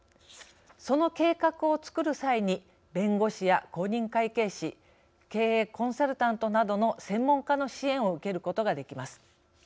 その計画をつくる際に弁護士や公認会計士経営コンサルタントなどの専門家の支援を受けることができます。